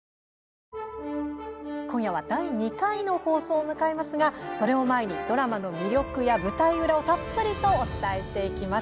今夜は、第２回の放送を迎えますが、それを前にドラマの魅力や舞台裏をたっぷりとお伝えしていきます。